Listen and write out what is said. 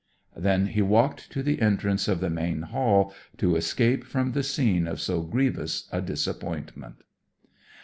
Then he walked to the entrance of the main hall, to escape from the scene of so grievous a disappointment.